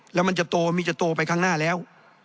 แล้วมันจะโตมีจะโตไปข้างหน้าแล้ว